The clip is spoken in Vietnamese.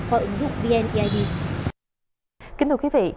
có ứng dụng vneid